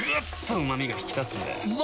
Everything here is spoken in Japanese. うま！